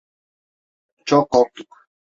Çok korktuk.